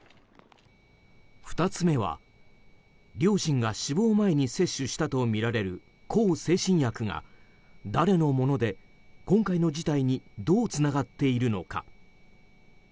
２つ目は、両親が死亡前に摂取したとみられる向精神薬が誰のもので、今回の事態にどうつながっているのか。